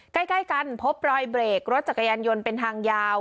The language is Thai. ใกล้กันพบรอยเบรกรถจักรยานยนต์เป็นทางยาว